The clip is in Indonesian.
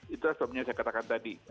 itu yang saya katakan tadi